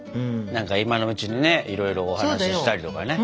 何か今のうちにねいろいろお話ししたりとかね。